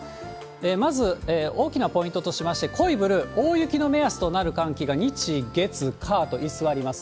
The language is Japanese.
まず大きなポイントとしまして、濃いブルー、大雪の目安となる寒気が日、月、火と居座ります。